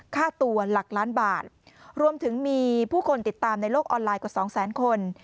ค่าตัวหลักล้านบาทรวมถึงมีผู้คนติดตามในโลกออนไลน์กว่าสองแสนคน